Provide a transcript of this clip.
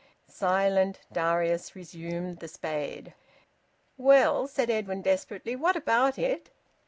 Silent, Darius resumed the spade. "Well," said Edwin desperately. "What about it?"